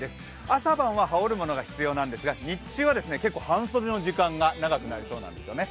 朝晩は羽織るものが必要なんですが、日中は結構、半袖の時間が長くなりそうなんですね。